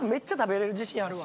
自信あるわ。